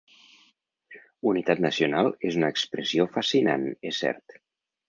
Unitat nacional és una expressió fascinant, és cert.